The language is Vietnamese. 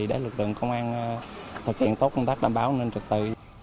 để lực lượng công an thực hiện tốt công tác đảm bảo an ninh trật tự